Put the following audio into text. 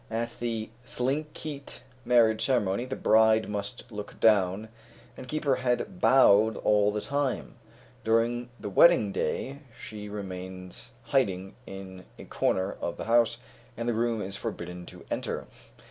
At the Thlinkeet marriage ceremony, the bride must look down, and keep her head bowed all the time; during the wedding day, she remains hiding in a corner of the house, and the groom is forbidden to enter.